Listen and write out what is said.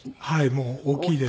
もう大きいです。